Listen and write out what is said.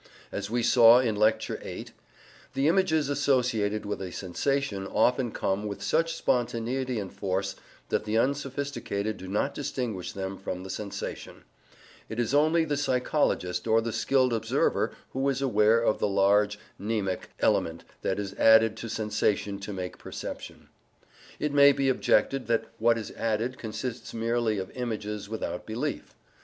As we saw in Lecture VIII, the images associated with a sensation often come with such spontaneity and force that the unsophisticated do not distinguish them from the sensation; it is only the psychologist or the skilled observer who is aware of the large mnemic element that is added to sensation to make perception. It may be objected that what is added consists merely of images without belief.